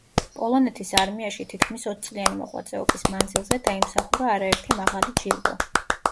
პოლონეთის არმიაში თითქმის ოცწლიანი მოღვაწეობის მანძილზე დაიმსახურა არაერთი მაღალი ჯილდო.